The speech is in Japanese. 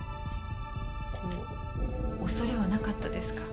恐れはなかったですか？